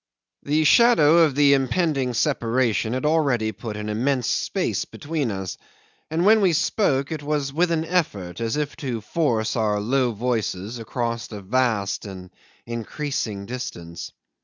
'The shadow of the impending separation had already put an immense space between us, and when we spoke it was with an effort, as if to force our low voices across a vast and increasing distance.